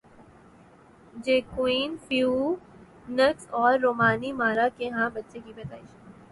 Joaquin Phoenix اور Rooney Mara کے ہاں بچے کی پیدائش